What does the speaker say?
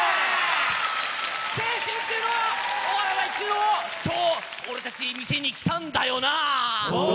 青春っていうのは終わらないっていうのを、今日俺たち、見せに来たんだよな。